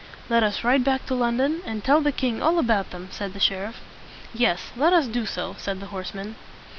"Let us ride back to London, and tell the king all about them," said the sheriff. "Yes, let us do so," said the horsemen.